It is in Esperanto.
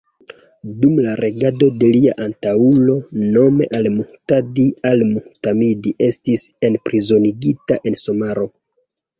Dum la regado de lia antaŭulo, nome al-Muhtadi, al-Mu'tamid estis enprizonigita en Samaro.